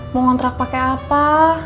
mau kontrak pake apa